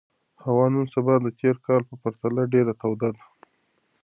هوا نن سبا د تېر کال په پرتله ډېره توده ده.